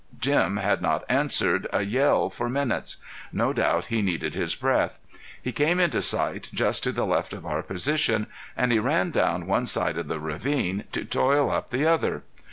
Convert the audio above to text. Jim had not answered a yell for minutes. No doubt he needed his breath. He came into sight just to the left of our position, and he ran down one side of the ravine to toil up the other.